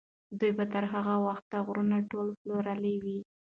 دوی به تر هغه وخته غرونه ټول پلورلي وي.